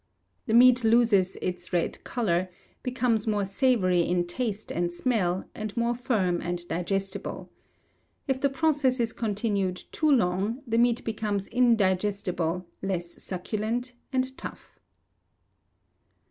The meat loses its red colour, becomes more savoury in taste and smell, and more firm and digestible. If the process is continued too long, the meat becomes indigestible, less succulent, and tough.